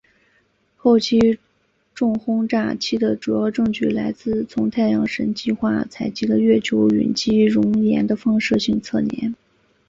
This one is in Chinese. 后期重轰炸期的主要证据是来自从太阳神计画采集的月球陨击熔岩的放射性测年。